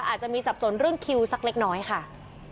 อาจจะมีสับสนเรื่องคิวสักเล็กน้อยค่ะ